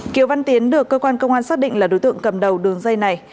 kiều văn tiến được cơ quan công an xác định là đối tượng cầm đầu đường dây này